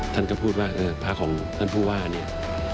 ท่านก็พูดว่าพระของท่านผู้ว่าเนี่ย